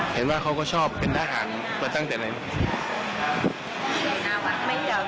ไปสมัครค่ะไปสมัครไปบ้างอยากเป็นจะจบอยู่แล้วค่ะ